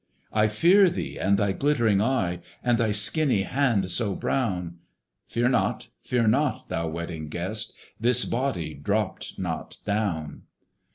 "I fear thee and thy glittering eye, And thy skinny hand, so brown." Fear not, fear not, thou Wedding Guest! This body dropt not down.